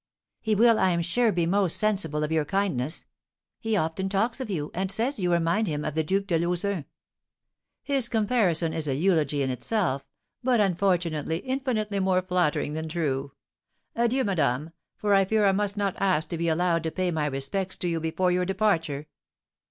"He will, I am sure, be most sensible of your kindness; he often talks of you, and says you remind him of the Duke de Lauzun." "His comparison is a eulogy in itself, but, unfortunately, infinitely more flattering than true. Adieu, madame, for I fear I must not ask to be allowed to pay my respects to you before your departure."